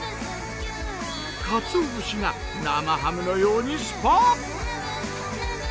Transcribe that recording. カツオ節が生ハムのようにスパーッ。